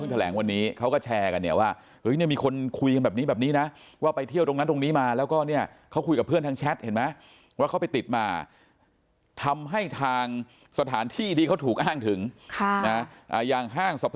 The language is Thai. แต่ว่าของเรายังไม่ได้แถลง